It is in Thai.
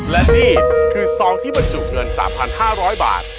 และนี่คือซองที่บรรจุเงิน๓๕๐๐บาท